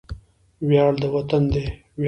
وياړ د وطن دی، ویاړ د ولس دی